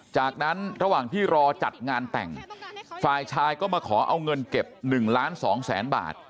จากนั้นระหว่างที่รอจัดงานแต่งฝ่ายชายก็มาขอเอาเงินเก็บ๑ล้าน๒แสนบาท